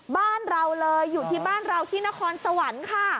บ้านเราเลยอยู่ที่บ้านเราที่นครสวรรค์ค่ะ